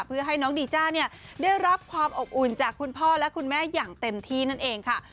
เพื่อให้น้องดีจ้าเนี่ยได้รับความอบอุ่นจากคุณพ่อและคุณแม่อย่างเต็มที่นั่นเองค่ะ